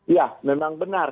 ya memang benar